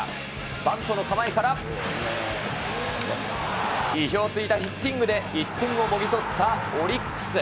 バントの構えから、意表を突いたヒッティングで１点をもぎ取ったオリックス。